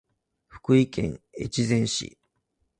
福井県越前市